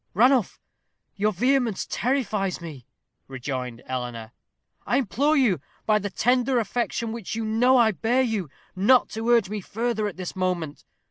"Ranulph, your vehemence terrifies me," rejoined Eleanor. "I implore you, by the tender affection which you know I bear you, not to urge me further at this moment.